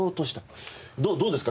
どうですか？